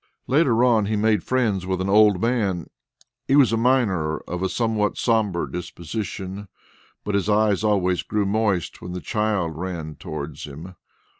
Later on he made friends with an old man. He was a miner of a somewhat sombre disposition, but his eyes always grew moist when the child ran towards him.